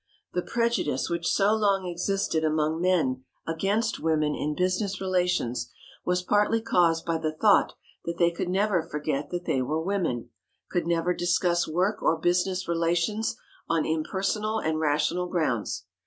The prejudice which so long existed among men against women in business relations was partly caused by the thought that they could never forget that they were women, could never discuss work or business relations on impersonal and rational grounds.